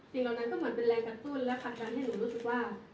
เหล่านั้นก็เหมือนเป็นแรงกระตุ้นและผลักดันให้หนูรู้สึกว่า